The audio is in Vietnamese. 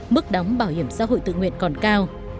mức đóng bảo hiểm xã hội tự nguyện còn cao